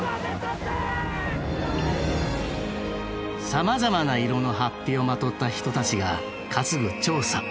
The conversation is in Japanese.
さまざまな色の法被をまとった人たちが担ぐちょうさ。